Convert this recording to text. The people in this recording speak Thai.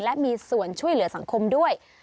และมีส่วนช่วยเหลือสังคมด้วย